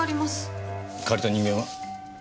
借りた人間は？